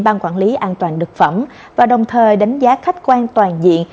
ban quản lý an toàn thực phẩm và đồng thời đánh giá khách quan toàn diện